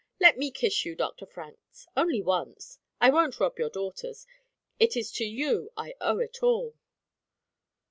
Let me kiss you, Dr. Franks, only once. I won't rob your daughters. It is to you I owe it all."